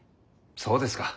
そうですか。